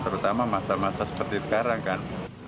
terutama masa masa seperti sekarang kan